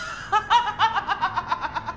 ハハハ！